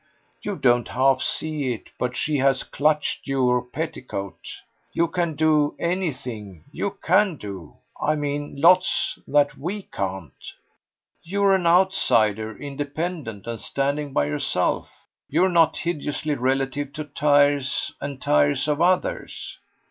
You don't half see it, but she has clutched your petticoat. You can do anything you can do, I mean, lots that WE can't. You're an outsider, independent and standing by yourself; you're not hideously relative to tiers and tiers of others."